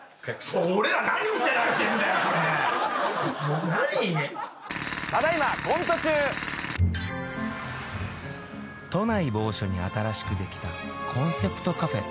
もう何⁉［都内某所に新しくできたコンセプトカフェ］